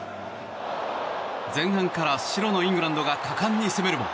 前半から白のイングランドが果敢に攻めるも。